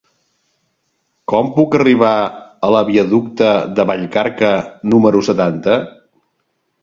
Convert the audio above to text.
Com puc arribar a la viaducte de Vallcarca número setanta?